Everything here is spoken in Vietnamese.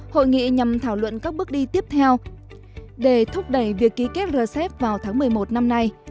hội nghị nhằm thảo luận các bước đi tiếp theo để thúc đẩy việc ký kết rcep vào tháng một mươi một năm nay